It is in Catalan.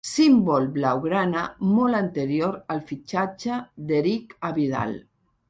Símbol blaugrana molt anterior al fitxatge d'Eric Abidal.